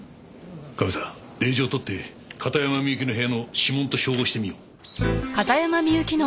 カメさん令状とって片山みゆきの部屋の指紋と照合してみよう。